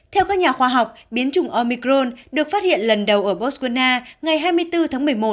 theo các nhà khoa học biến chủng omicron được phát hiện lần đầu ở botswana ngày hai mươi bốn tháng một mươi một